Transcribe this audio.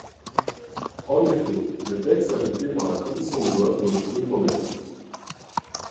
En effet, le texte adopté par la commission des lois pose deux problèmes.